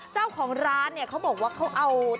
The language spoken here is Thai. เจ้าของร้านเนี่ยเขาบอกว่าเขาเอา